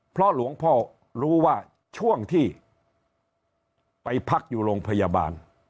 เพราะหลวงพ่อรู้ว่าช่วงที่ไปพักอยู่โรงพยาบาล